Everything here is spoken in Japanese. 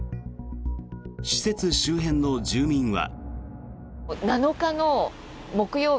施設周辺の住民は。